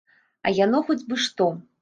А яно хоць бы што!